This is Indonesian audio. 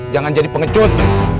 jangan jadi pengecut